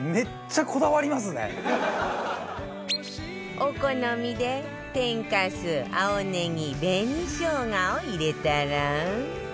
お好みで天かす青ねぎ紅しょうがを入れたら